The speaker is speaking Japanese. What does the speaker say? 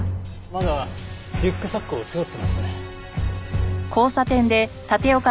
まだリュックサックを背負ってますね。